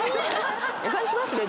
お願いしますね。